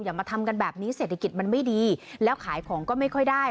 มาทำกันแบบนี้เศรษฐกิจมันไม่ดีแล้วขายของก็ไม่ค่อยได้